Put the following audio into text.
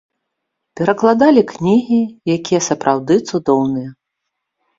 Перакладалі кнігі, якія сапраўды цудоўныя.